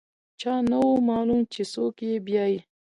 چا نه و معلوم چې څوک یې بیايي.